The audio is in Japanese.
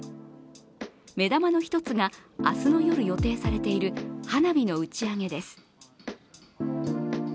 目玉の一つが明日の夜、予定されている花火の打ち上げです。